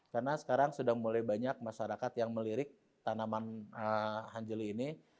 karena sekarang sudah mulai banyak masyarakat yang melirik tanaman anjali ini